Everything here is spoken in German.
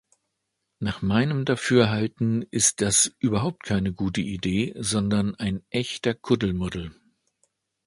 Nach meinem Dafürhalten ist das überhaupt keine gute Idee, sondern ein echter Kuddelmuddel.